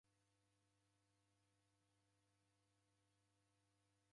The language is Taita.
W'uya nanyuma kuw'ona chia.